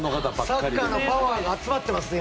サッカーのパワーが集まってますね。